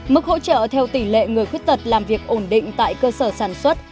mức hỗ trợ theo tỷ lệ người khuyết tật làm việc ổn định tại cơ sở sản xuất